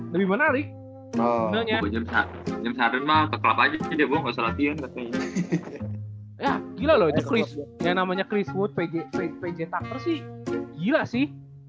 lebih menarik oh ya ya gila loh itu chris yang namanya chris wood pg pc tak bersih gila sih